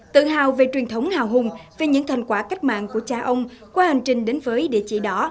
tự hào về truyền thống hào hùng về những thành quả cách mạng của cha ông qua hành trình đến với địa chỉ đó